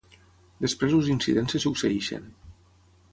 Després els incidents se succeeixen.